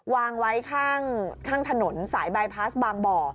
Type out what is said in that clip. วางไว้ข้างถนนสายบายพลาสบางบ่อ